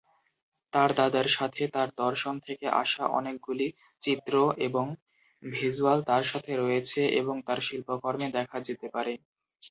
তাঁর দাদার সাথে তাঁর দর্শন থেকে আসা অনেকগুলি চিত্র এবং ভিজ্যুয়াল তাঁর সাথে রয়েছে এবং তাঁর শিল্পকর্মে দেখা যেতে পারে।